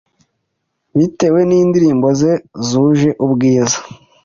bitewe n’indirimbo ze zuje ubwiza